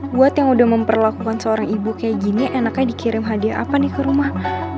buat yang udah memperlakukan seorang ibu kayak gini enaknya dikirim hadiah apa nih ke rumah